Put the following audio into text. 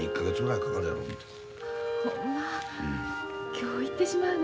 今日行ってしまうの。